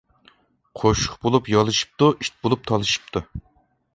قوشۇق بولۇپ يالىشىپتۇ، ئىت بولۇپ تالىشىپتۇ.